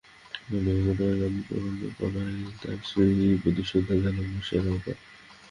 তাঁর নামে গেটের নামকরণ করাটাই তাঁর স্মৃতির প্রতি শ্রদ্ধা জানানোর সেরা উপায়।